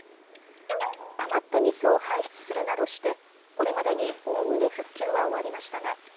たまった水を排出するなどしてこれまでにおおむね復旧は終わりましたが